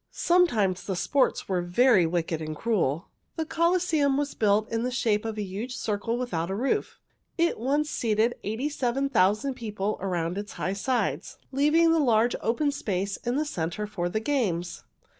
Sometimes the sports were very wicked and cruel. The Colosseum was built in the shape of a huge circle without a roof. It once seated eighty seven thousand people around its high sides, leaving a large open space in the center for the games.